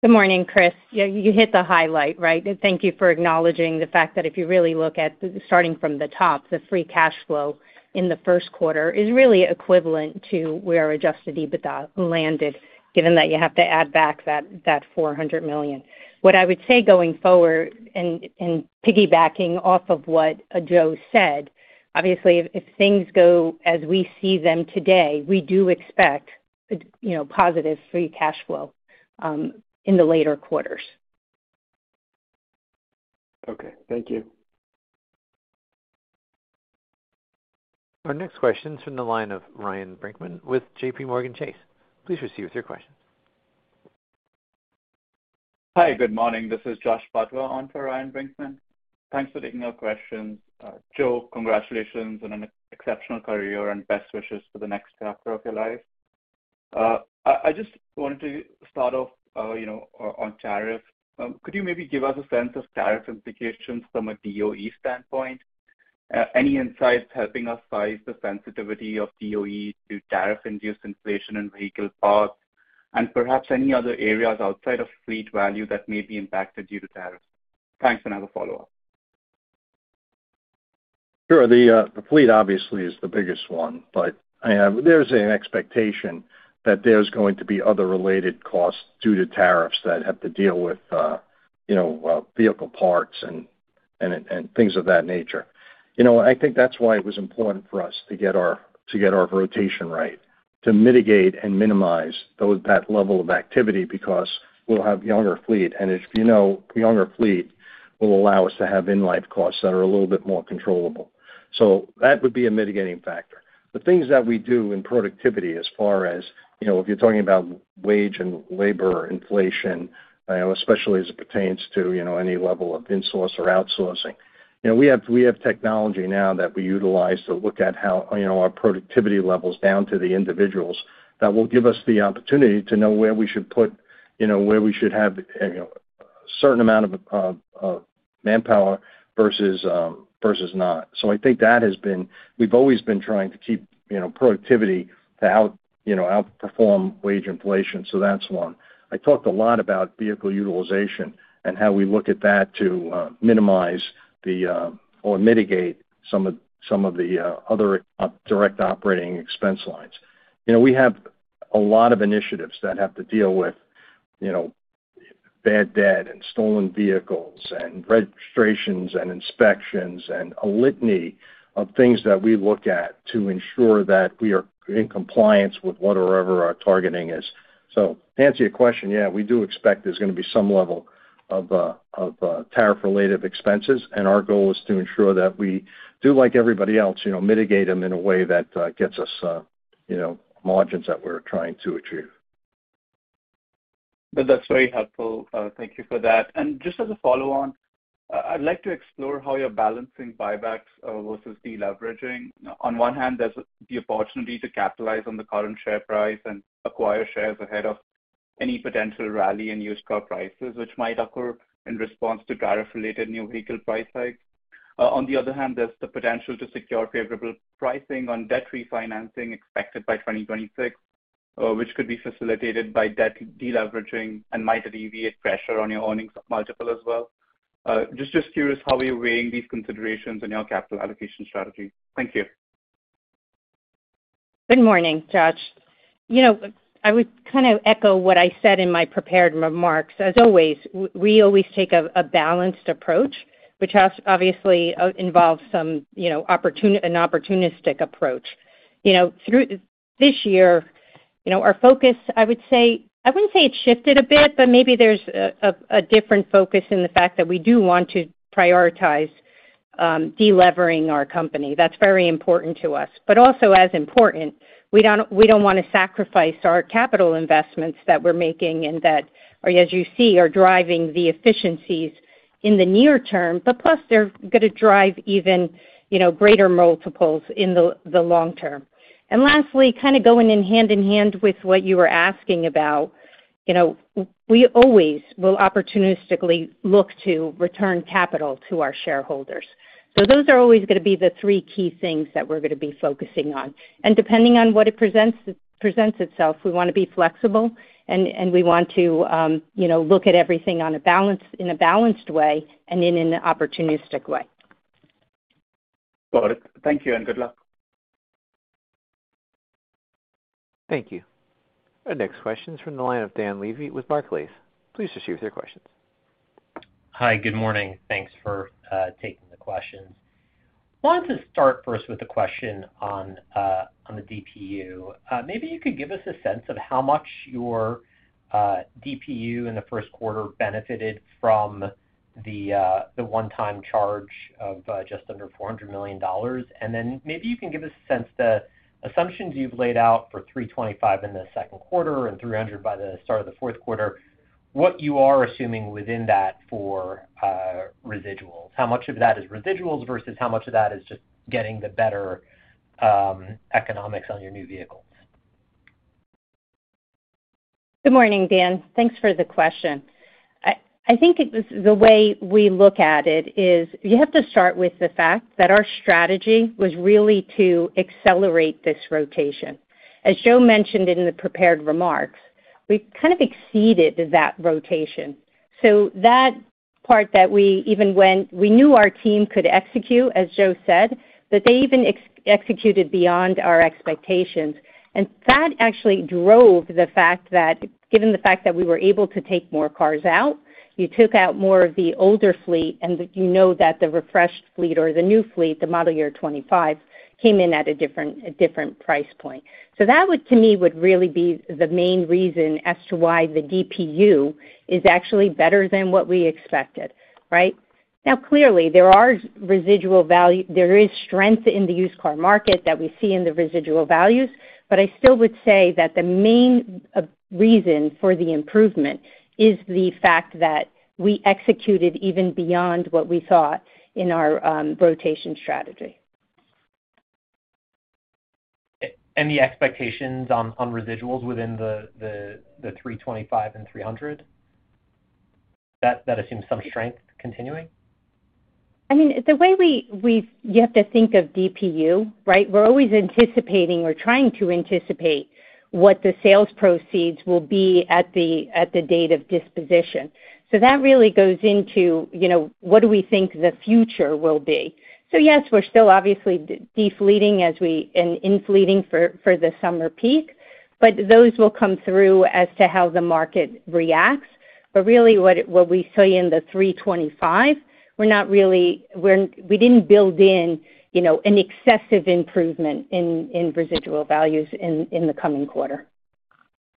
Good morning, Chris. You hit the highlight, right? Thank you for acknowledging the fact that if you really look at starting from the top, the free cash flow in the first quarter is really equivalent to where Adjusted EBITDA landed, given that you have to add back that $400 million. What I would say going forward and piggybacking off of what Joe said, obviously, if things go as we see them today, we do expect positive free cash flow in the later quarters. Okay. Thank you. Our next question is from the line of Ryan Brinkman with JPMorgan Chase. Please proceed with your questions. Hi. Good morning. This is Jash Patwa, on for Ryan Brinkman. Thanks for taking our questions. Joe, congratulations on an exceptional career and best wishes for the next chapter of your life. I just wanted to start off on tariffs. Could you maybe give us a sense of tariff implications from a DOE standpoint? Any insights helping us size the sensitivity of DOE to tariff-induced inflation in vehicle parts and perhaps any other areas outside of fleet value that may be impacted due to tariffs? Thanks. I have a follow-up. Sure. The fleet obviously is the biggest one, but there's an expectation that there's going to be other related costs due to tariffs that have to deal with vehicle parts and things of that nature. I think that's why it was important for us to get our rotation right, to mitigate and minimize that level of activity because we'll have younger fleet. If you know younger fleet, it will allow us to have in-life costs that are a little bit more controllable. That would be a mitigating factor. The things that we do in productivity as far as if you're talking about wage and labor inflation, especially as it pertains to any level of insourcing or outsourcing, we have technology now that we utilize to look at how our productivity levels down to the individuals that will give us the opportunity to know where we should put, where we should have a certain amount of manpower versus not. I think that has been, we've always been trying to keep productivity to outperform wage inflation. That's one. I talked a lot about vehicle utilization and how we look at that to minimize or mitigate some of the other direct operating expense lines. We have a lot of initiatives that have to deal with bad debt and stolen vehicles and registrations and inspections and a litany of things that we look at to ensure that we are in compliance with whatever our targeting is. To answer your question, yeah, we do expect there's going to be some level of tariff-related expenses. Our goal is to ensure that we do, like everybody else, mitigate them in a way that gets us margins that we're trying to achieve. That's very helpful. Thank you for that. Just as a follow-on, I'd like to explore how you're balancing buybacks versus deleveraging. On one hand, there's the opportunity to capitalize on the current share price and acquire shares ahead of any potential rally in used car prices, which might occur in response to tariff-related new vehicle price hikes. On the other hand, there's the potential to secure favorable pricing on debt refinancing expected by 2026, which could be facilitated by debt deleveraging and might alleviate pressure on your earnings multiple as well. Just curious how you're weighing these considerations in your capital allocation strategy. Thank you. Good morning, Josh. I would kind of echo what I said in my prepared remarks. As always, we always take a balanced approach, which obviously involves an opportunistic approach. This year, our focus, I would say I wouldn't say it shifted a bit, but maybe there's a different focus in the fact that we do want to prioritize delevering our company. That's very important to us. Also, as important, we do not want to sacrifice our capital investments that we are making and that, as you see, are driving the efficiencies in the near term, plus they are going to drive even greater multiples in the long term. Lastly, kind of going hand in hand with what you were asking about, we always will opportunistically look to return capital to our shareholders. Those are always going to be the three key things that we are going to be focusing on. Depending on what presents itself, we want to be flexible, and we want to look at everything in a balanced way and in an opportunistic way. Got it. Thank you and good luck. Thank you. Our next question is from the line of Dan Levy with Barclays. Please proceed with your questions. Hi. Good morning. Thanks for taking the questions. Wanted to start first with a question on the DPU. Maybe you could give us a sense of how much your DPU in the first quarter benefited from the one-time charge of just under $400 million. And then maybe you can give us a sense of the assumptions you've laid out for 325 in the second quarter and 300 by the start of the fourth quarter, what you are assuming within that for residuals. How much of that is residuals versus how much of that is just getting the better economics on your new vehicles? Good morning, Dan. Thanks for the question. I think the way we look at it is you have to start with the fact that our strategy was really to accelerate this rotation. As Joe mentioned in the prepared remarks, we kind of exceeded that rotation. That part that we even went, we knew our team could execute, as Joe said, but they even executed beyond our expectations. That actually drove the fact that, given the fact that we were able to take more cars out, you took out more of the older fleet, and you know that the refreshed fleet or the new fleet, the model year 2025, came in at a different price point. That, to me, would really be the main reason as to why the DPU is actually better than what we expected, right? Now, clearly, there are residual value, there is strength in the used car market that we see in the residual values, but I still would say that the main reason for the improvement is the fact that we executed even beyond what we thought in our rotation strategy. Any expectations on residuals within the 325 and 300? That assumes some strength continuing? I mean, the way we you have to think of DPU, right? We're always anticipating or trying to anticipate what the sales proceeds will be at the date of disposition. So that really goes into what do we think the future will be. Yes, we're still obviously defleeting and infleeting for the summer peak, but those will come through as to how the market reacts. What we say in the 325, we're not really we did not build in an excessive improvement in residual values in the coming quarter.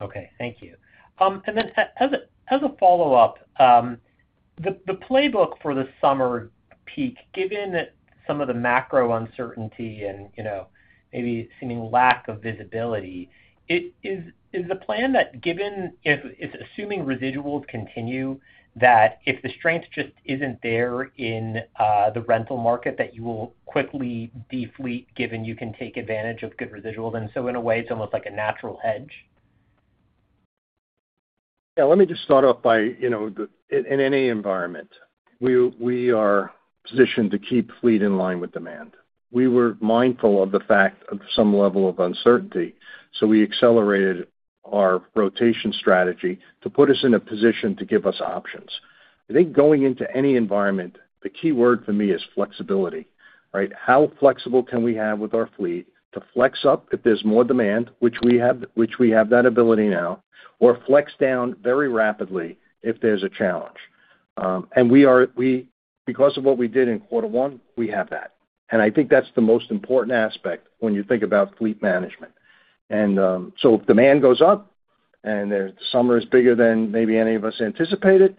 Okay. Thank you. As a follow-up, the playbook for the summer peak, given some of the macro uncertainty and maybe seeming lack of visibility, is the plan that, given if assuming residuals continue, that if the strength just is not there in the rental market, that you will quickly defleet given you can take advantage of good residuals? In a way, it is almost like a natural hedge? Yeah. Let me just start off by, in any environment, we are positioned to keep fleet in line with demand. We were mindful of the fact of some level of uncertainty, so we accelerated our rotation strategy to put us in a position to give us options. I think going into any environment, the key word for me is flexibility, right? How flexible can we have with our fleet to flex up if there's more demand, which we have that ability now, or flex down very rapidly if there's a challenge? Because of what we did in quarter one, we have that. I think that's the most important aspect when you think about fleet management. If demand goes up and the summer is bigger than maybe any of us anticipated,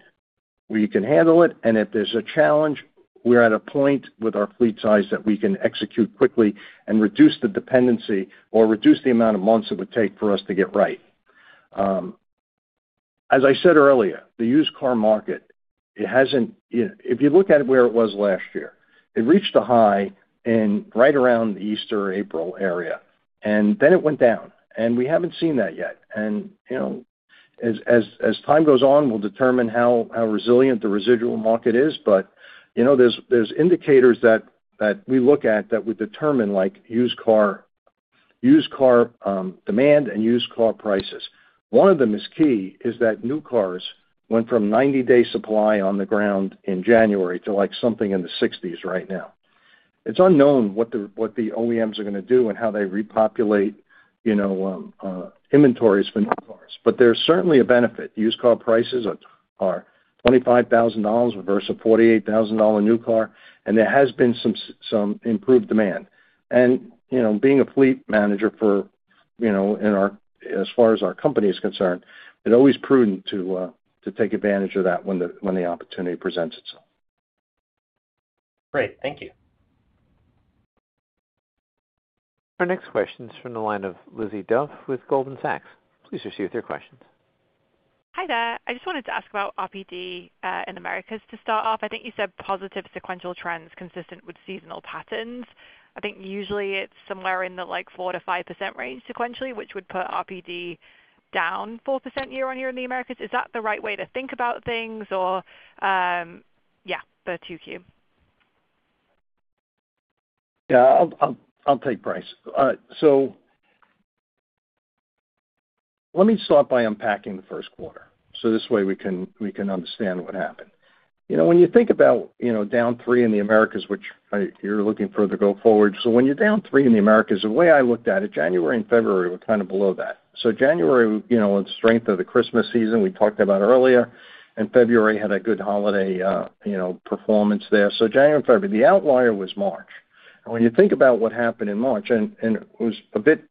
we can handle it. If there's a challenge, we're at a point with our fleet size that we can execute quickly and reduce the dependency or reduce the amount of months it would take for us to get right. As I said earlier, the used car market, if you look at it where it was last year, it reached a high right around the Easter April area, and then it went down. We have not seen that yet. As time goes on, we will determine how resilient the residual market is. There are indicators that we look at that would determine used car demand and used car prices. One of them that is key is that new cars went from 90-day supply on the ground in January to something in the 60s right now. It is unknown what the OEMs are going to do and how they repopulate inventories for new cars, but there is certainly a benefit. Used car prices are $25,000 versus a $48,000 new car, and there has been some improved demand. Being a fleet manager for as far as our company is concerned, it is always prudent to take advantage of that when the opportunity presents itself. Great. Thank you. Our next question is from the line of Lizzie Dove with Goldman Sachs. Please proceed with your questions. Hi there. I just wanted to ask about RPD in the Americas to start off. I think you said positive sequential trends consistent with seasonal patterns. I think usually it's somewhere in the 4-5% range sequentially, which would put RPD down 4% year on year in the Americas. Is that the right way to think about things or, yeah, the 2Q? Yeah. I'll take price. Let me start by unpacking the first quarter so this way we can understand what happened. When you think about down three in the Americas, which you're looking for the go-forward, when you're down three in the Americas, the way I looked at it, January and February were kind of below that. January, the strength of the Christmas season we talked about earlier, and February had a good holiday performance there. January and February, the outlier was March. When you think about what happened in March, and it was a bit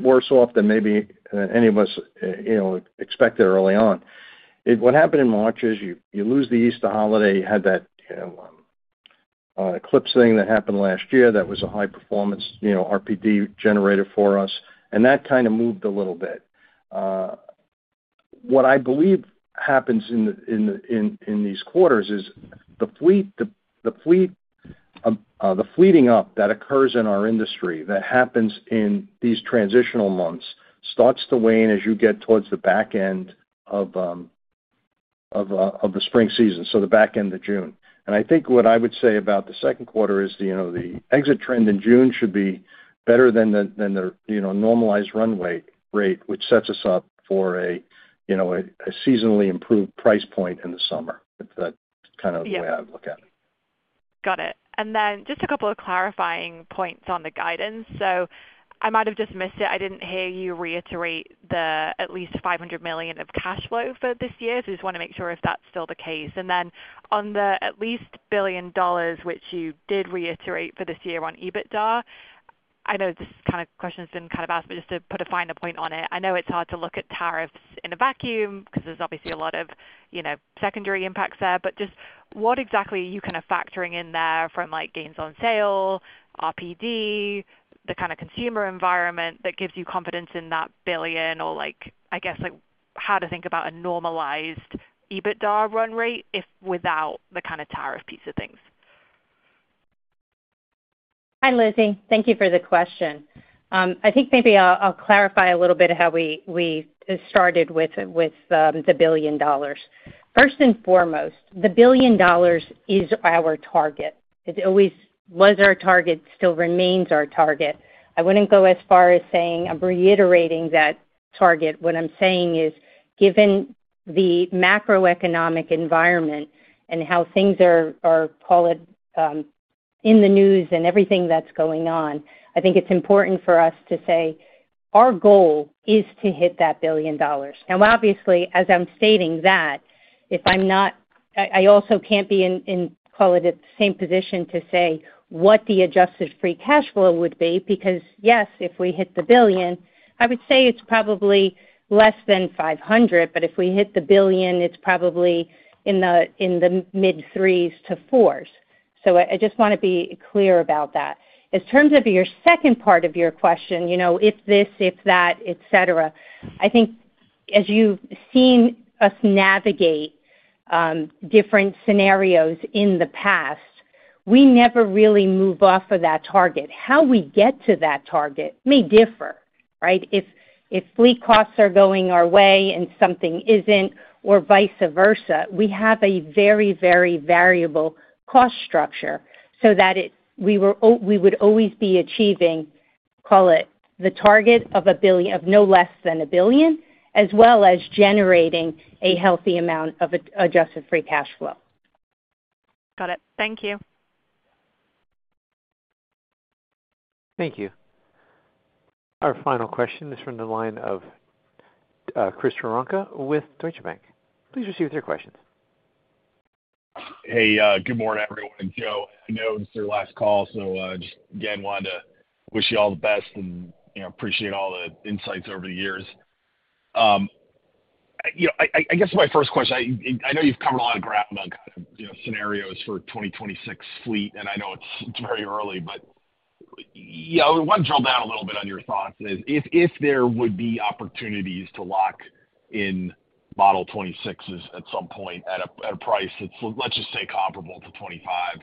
worse off than maybe any of us expected early on, what happened in March is you lose the Easter holiday. You had that eclipse thing that happened last year that was a high-performance RPD generator for us, and that kind of moved a little bit. What I believe happens in these quarters is the fleeting up that occurs in our industry that happens in these transitional months starts to wane as you get towards the back end of the spring season, so the back end of June. I think what I would say about the second quarter is the exit trend in June should be better than the normalized runway rate, which sets us up for a seasonally improved price point in the summer. That is kind of the way I look at it. Got it. Just a couple of clarifying points on the guidance. I might have missed it. I did not hear you reiterate the at least $500 million of cash flow for this year. I just want to make sure if that is still the case. On the at least $1 billion, which you did reiterate for this year on EBITDA, I know this kind of question has been asked, but to put a finer point on it, I know it is hard to look at tariffs in a vacuum because there are obviously a lot of secondary impacts there. What exactly are you factoring in there from gains on sale, RPD, the kind of consumer environment that gives you confidence in that $1 billion, or how to think about a normalized EBITDA run rate without the tariff piece of things? Hi, Lizzie. Thank you for the question. I think maybe I'll clarify a little bit of how we started with the billion dollars. First and foremost, the billion dollars is our target. It always was our target, still remains our target. I wouldn't go as far as saying I'm reiterating that target. What I'm saying is, given the macroeconomic environment and how things are, call it, in the news and everything that's going on, I think it's important for us to say our goal is to hit that billion dollars. Now, obviously, as I'm stating that, if I'm not, I also can't be in, call it, at the same position to say what the adjusted free cash flow would be because, yes, if we hit the billion, I would say it's probably less than $500,000,000, but if we hit the billion, it's probably in the mid-threes to fours. I just want to be clear about that. In terms of your second part of your question, if this, if that, etc., I think as you've seen us navigate different scenarios in the past, we never really move off of that target. How we get to that target may differ, right? If fleet costs are going our way and something isn't, or vice versa, we have a very, very variable cost structure so that we would always be achieving, call it, the target of no less than a billion, as well as generating a healthy amount of adjusted free cash flow. Got it. Thank you. Thank you. Our final question is from the line of Chris Woronka with Deutsche Bank. Please proceed with your questions. Hey, good morning, everyone. It's Joe. I know it's your last call, so just, again, wanted to wish you all the best and appreciate all the insights over the years. I guess my first question, I know you've covered a lot of ground on kind of scenarios for 2026 fleet, and I know it's very early, but I want to drill down a little bit on your thoughts. If there would be opportunities to lock in model 26s at some point at a price that's, let's just say, comparable to 25,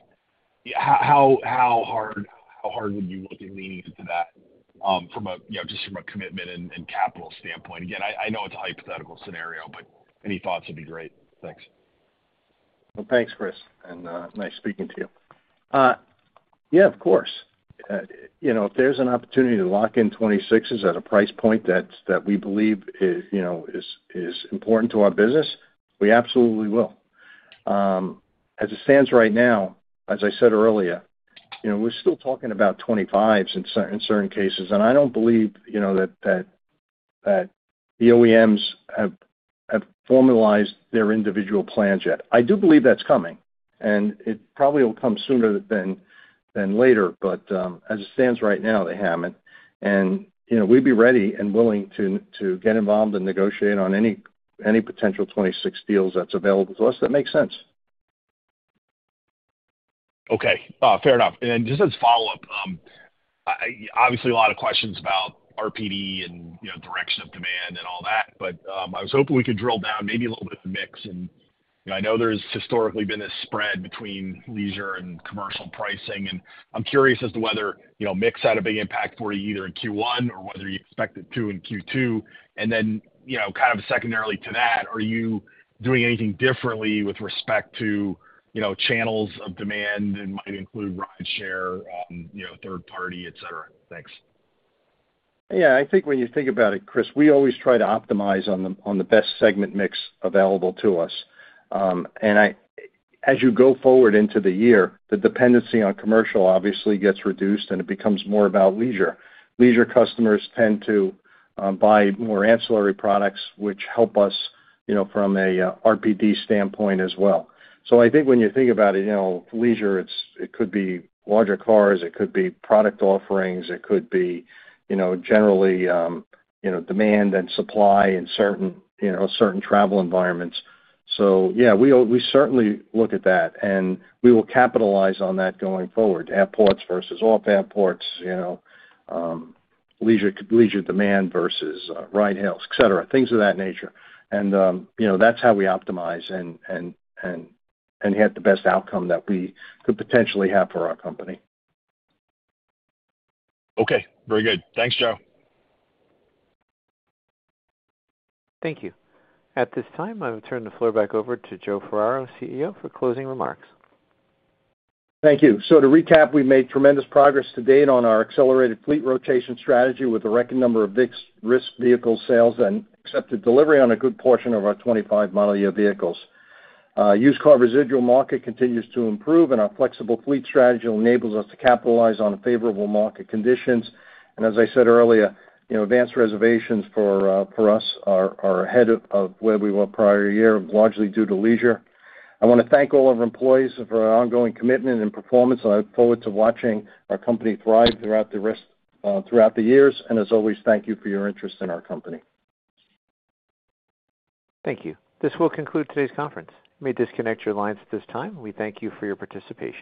how hard would you look at leaning into that just from a commitment and capital standpoint? Again, I know it's a hypothetical scenario, but any thoughts would be great. Thanks. Thanks, Chris. Nice speaking to you. Yeah, of course. If there's an opportunity to lock in 26s at a price point that we believe is important to our business, we absolutely will. As it stands right now, as I said earlier, we're still talking about 25s in certain cases, and I don't believe that the OEMs have formalized their individual plans yet. I do believe that's coming, and it probably will come sooner than later, but as it stands right now, they haven't. We'd be ready and willing to get involved and negotiate on any potential 26 deals that's available to us that makes sense. Okay. Fair enough. Just as a follow-up, obviously, a lot of questions about RPD and direction of demand and all that, but I was hoping we could drill down maybe a little bit of the mix. I know there's historically been this spread between leisure and commercial pricing, and I'm curious as to whether mix had a big impact for you either in Q1 or whether you expect it to in Q2. And then kind of secondarily to that, are you doing anything differently with respect to channels of demand? It might include rideshare, third party, etc. Thanks. Yeah. I think when you think about it, Chris, we always try to optimize on the best segment mix available to us. As you go forward into the year, the dependency on commercial obviously gets reduced, and it becomes more about leisure. Leisure customers tend to buy more ancillary products, which help us from an RPD standpoint as well. I think when you think about it, leisure, it could be larger cars. It could be product offerings. It could be generally demand and supply in certain travel environments. Yeah, we certainly look at that, and we will capitalize on that going forward, airports versus off-airports, leisure demand versus ride-hails, etc., things of that nature. That is how we optimize and get the best outcome that we could potentially have for our company. Okay. Very good. Thanks, Joe. Thank you. At this time, I will turn the floor back over to Joe Ferraro, CEO, for closing remarks. Thank you. To recap, we have made tremendous progress to date on our accelerated fleet rotation strategy with a record number of risk vehicle sales and accepted delivery on a good portion of our 2025 model year vehicles. The used car residual market continues to improve, and our flexible fleet strategy enables us to capitalize on favorable market conditions. As I said earlier, advanced reservations for us are ahead of where we were prior year, largely due to leisure. I want to thank all our employees for our ongoing commitment and performance. I look forward to watching our company thrive throughout the years. As always, thank you for your interest in our company. Thank you. This will conclude today's conference. We may disconnect your lines at this time. We thank you for your participation.